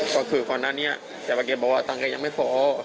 ก็คือพอหน้านี้แต่ว่าเกรียดบอกว่าตังค์เกรียดยังไม่พอ